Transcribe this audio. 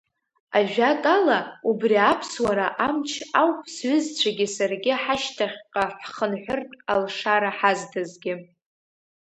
Ажәакала, убри аԥсуара амч ауп сҩызцәагьы саргьы ҳашьҭахьҟа ҳхынҳәыртә алшара ҳазҭазгьы.